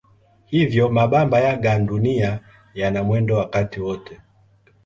Hivyo mabamba ya gandunia yana mwendo wakati wote.